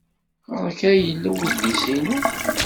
Ɣer-k ay yella udlis-inu?